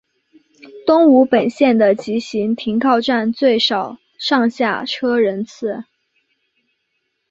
东武本线的急行停靠站最少上下车人次。